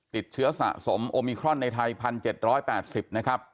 ติดเชื้อสะสมโอมิครอนในไทย๑๗๘๐นะครับ